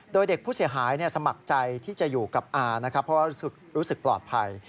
โดยเด็กผู้เสียหายสมัครใจที่จะอยู่กับอานะครับเพราะว่ารู้สึกปลอดภัย